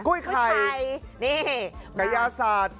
กุ้ยไข่ไกรยาศาสตร์